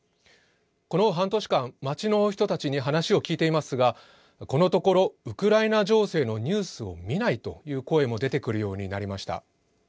この半年間街の人たちに話を聞いていますがこのところウクライナ情勢のニュースを見ないという声も出てくるようになりました。